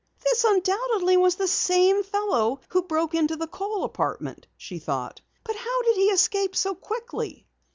"This undoubtedly was the same fellow who broke into the Kohl apartment!" she thought. "But how did he escape so quickly?"